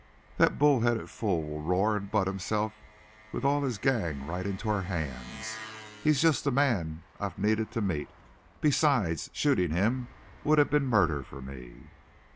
"That bull headed fool will roar and butt himself with all his gang right into our hands. He's just the man I've needed to meet. Besides, shooting him would have been murder for me!"